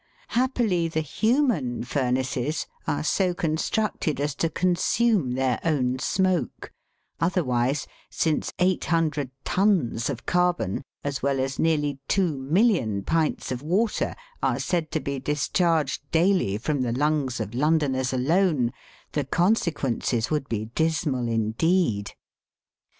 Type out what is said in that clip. Happily the human furnaces are so constructed as to consume their own smoke, otherwise, since eight hundred tons of carbon as well as nearly 2,000,000 pints of water, are said to be discharged daily, from the lungs of Londoners alone, the consequences would be dismal indeed.